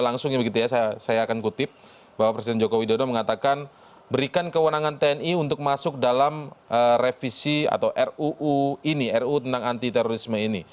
langsung ya begitu ya saya akan kutip bahwa presiden joko widodo mengatakan berikan kewenangan tni untuk masuk dalam revisi atau ruu ini ruu tentang anti terorisme ini